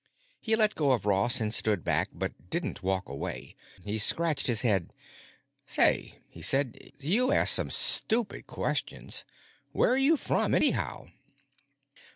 He let go of Ross and stood back, but didn't walk away. He scratched his head. "Say," he said, "you ask some stupid questions. Where are you from, anyhow?"